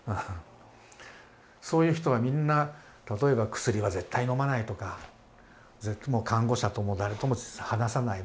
そういう人はみんな例えば薬は絶対のまないとか看護者とも誰とも話さない。